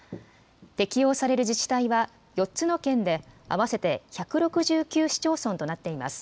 適用される自治体は、４つの県で合わせて１６９市町村となっています。